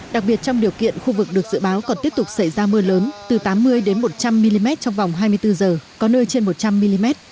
đặc biệt trong điều kiện khu vực được dự báo còn tiếp tục xảy ra mưa lớn từ tám mươi đến một trăm linh mm trong vòng hai mươi bốn h có nơi trên một trăm linh mm